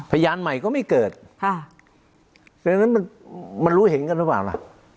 พยานใหม่ก็ไม่เกิดค่ะดังนั้นมันรู้เห็นกันหรือเปล่าล่ะ